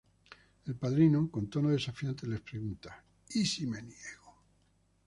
El padrino, con tono desafiante, les pregunta: ""¿Y si me niego?"".